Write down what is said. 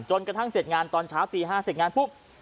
กระทั่งเสร็จงานตอนเช้าตี๕เสร็จงานปุ๊บ